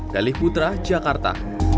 dalih putra jakarta